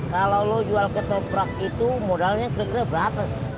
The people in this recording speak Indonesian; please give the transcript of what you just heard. kalau lo jual ketoprak itu modalnya kira kira berapa